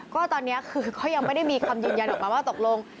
ก็ตอนนี้คือก็ยังไม่ได้มีคำยืนยันออกมาว่าตกลง